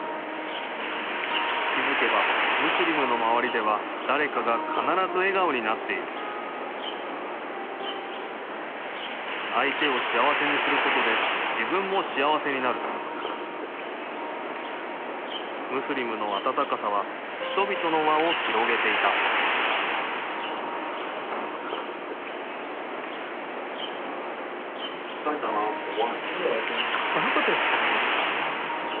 気付けばムスリムの周りでは誰かが必ず笑顔になっている相手を幸せにすることで自分も幸せになるムスリムの温かさは人々の輪を広げていたこのことで疲れないですよね。